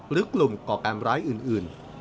หรือกลุ่มก่อการร้ายอื่น